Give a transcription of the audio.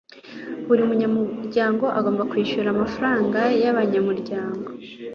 Buri munyamuryango agomba kwishyura amafaranga yabanyamuryango.